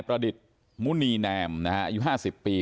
ประดิษฌ์มุณีแนมนะครับอายุ๕๐ปี